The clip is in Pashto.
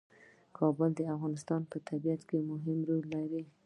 کابل د افغانستان په طبیعت کې مهم رول لري.